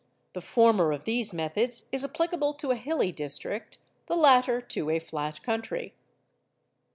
The former of these methods is applicable to a hilly district, the latter to a flat country.